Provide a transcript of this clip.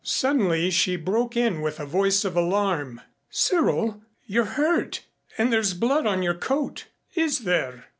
Suddenly she broke in with a voice of alarm. "Cyril you're hurt and there's blood on your coat " "Is there?